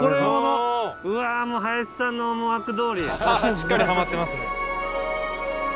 しっかりハマってますね。